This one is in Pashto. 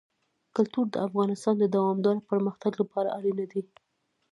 کلتور د افغانستان د دوامداره پرمختګ لپاره اړین دي.